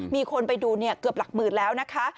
มีคนไปดูเกือบหลักหมื่นแล้วนะคะ